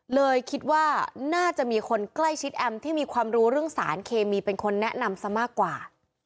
เลยคิดว่าน่าจะมีคนใกล้ชิดแอมที่มีความรู้เรื่องสารเคมีเป็นคนแนะนำซะมากกว่า